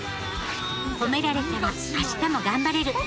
褒められたら明日も頑張れる。